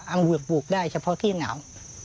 ังเวือกปลูกได้เฉพาะที่หนาว